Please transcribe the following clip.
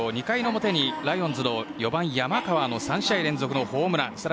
２回の表にライオンズの４番山川の３試合連続のホームラン。